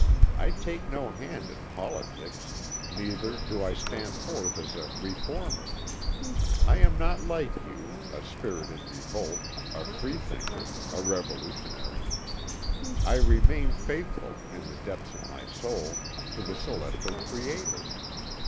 I take no hand in politics, neither do I stand forth as a reformer. I am not like you, a spirit in revolt, a freethinker, a revolutionary. I remain faithful, in the depths of my soul, to the Celestial Creator.